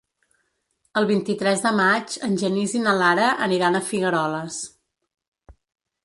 El vint-i-tres de maig en Genís i na Lara aniran a Figueroles.